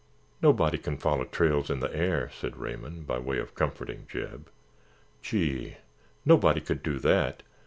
"Nobody can follow trails in the air," said Raymond by way of comforting Jeb. "Gee, nobody could do that.